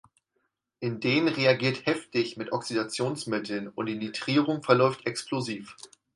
Inden reagiert heftig mit Oxidationsmitteln und die Nitrierung verläuft explosiv.